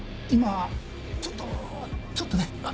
今ちょっとちょっとね。